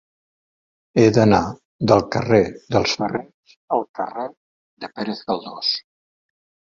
He d'anar del carrer dels Ferrers al carrer de Pérez Galdós.